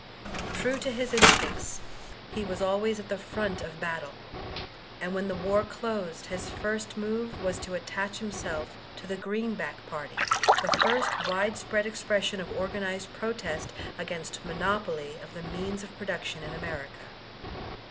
True to his instincts he was always at the front of battle, and when the war closed his first move was to attach himself to the Green back party, the first widespread expression of organittd protest against monopoly of the means of productioo in America.